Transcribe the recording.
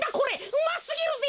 うますぎるぜ。